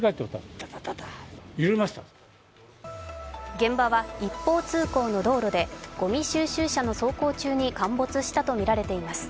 現場は一方通行の道路で、ごみ収集車の走行中に陥没したとみられています。